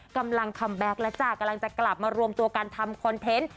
คัมแบ็คแล้วจ้ะกำลังจะกลับมารวมตัวกันทำคอนเทนต์